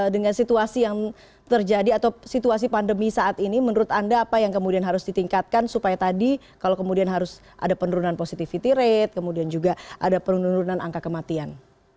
dengan situasi yang terjadi atau situasi pandemi saat ini menurut anda apa yang kemudian harus ditingkatkan supaya tadi kalau kemudian harus ada penurunan positivity rate kemudian juga ada penurunan angka kematian